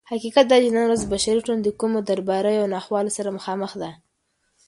حقيقت دادى چې نن ورځ بشري ټولنه دكومو دربدريو او ناخوالو سره مخامخ ده